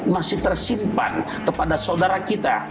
masih tersimpan kepada saudara kita